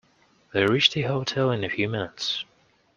They reached the hotel in a few minutes.